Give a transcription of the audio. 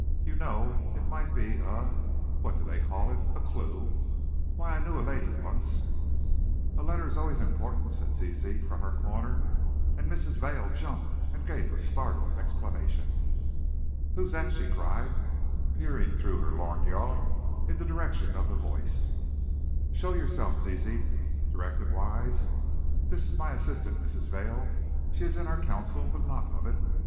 "You know it might be a what do they call it? a clew. Why, I knew a lady once " "A letter is always important," said Zizi from her corner, and Mrs. Vail jumped and gave a startled exclamation. "Who's that?" she cried, peering through her lorgnon in the direction of the voice. "Show yourself, Zizi," directed Wise. "This is my assistant, Mrs. Vail. She is in our council but not of it.